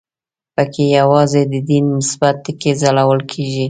په کې یوازې د دین مثبت ټکي ځلول کېږي.